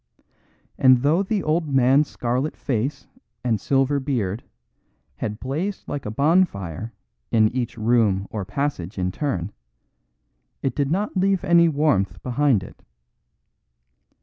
And though the old man's scarlet face and silver beard had blazed like a bonfire in each room or passage in turn, it did not leave any warmth behind it.